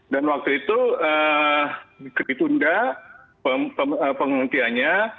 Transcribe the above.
dan waktu itu ditunda penghentiannya